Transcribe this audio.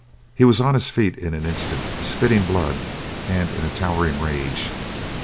He was on his feet in an instant, spitting blood, and in a towering rage.